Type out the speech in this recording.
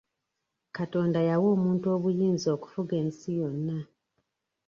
Katonda yawa omuntu obuyinza okufuga ensi yonna.